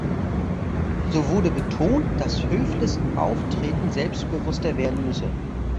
So wurde betont, dass Höfles Auftreten selbstbewusster werden müsse.